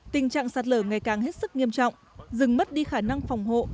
tình trạng sạt lở ngày càng hết sức nghiêm trọng rừng mất đi khả năng phòng hộ